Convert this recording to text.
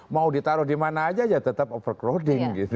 mau ditaruh di mana saja tetap over crowding gitu